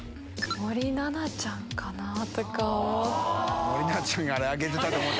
森七菜ちゃんかなとか思って。